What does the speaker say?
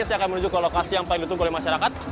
saya akan menuju ke lokasi yang paling ditunggu oleh masyarakat